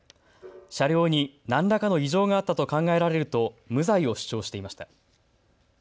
車両に何らかの異常があったと考えられると無罪を主張していました。